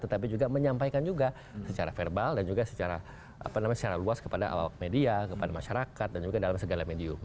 tetapi juga menyampaikan juga secara verbal dan juga secara luas kepada awak media kepada masyarakat dan juga dalam segala medium